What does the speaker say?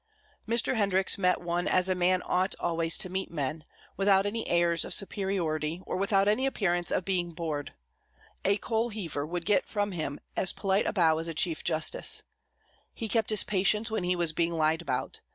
Mr. Hendricks met one as a man ought always to meet men, without any airs of superiority, or without any appearance of being bored. A coal heaver would get from him as polite a bow as a chief justice. He kept his patience when he was being lied about.